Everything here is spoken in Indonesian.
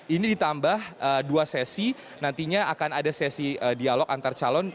ini ditambah dua sesi nantinya akan ada sesi dialog antar calon